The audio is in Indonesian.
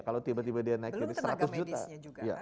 kalau tiba tiba dia naik jadi seratus juta